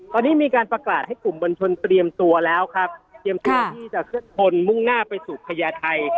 ตอนนี้มีการประกาศให้กลุ่มมวลชนเตรียมตัวแล้วครับเตรียมตัวที่จะเคลื่อนชนมุ่งหน้าไปสู่พญาไทย